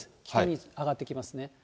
急に上がってきますね。